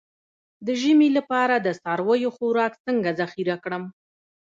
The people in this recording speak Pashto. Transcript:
د ژمي لپاره د څارویو خوراک څنګه ذخیره کړم؟